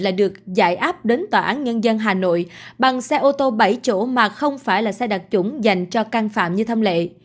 lại được giải áp đến tòa án nhân dân hà nội bằng xe ô tô bảy chỗ mà không phải sẽ đặt chủng dành cho can phạm như thông lệ